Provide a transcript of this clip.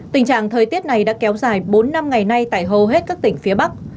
tình trạng thời tiết này đã kéo dài bốn năm ngày nay tại hầu hết các tỉnh phía bắc